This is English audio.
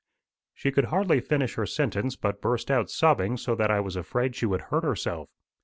She could hardly finish her sentence, but burst out sobbing so that I was afraid she would hurt herself.